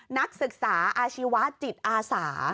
นักศึกษาอาชีวะจิตอาสา